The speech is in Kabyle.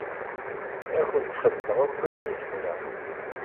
Ad akent-xedmeɣ akk ayen i zemreɣ.